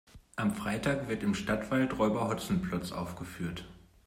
Am Freitag wird im Stadtwald Räuber Hotzenplotz aufgeführt.